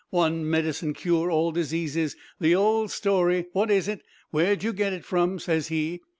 'One medicine cure all diseases! The old story. What is it? Where'd you get it from?' ses he.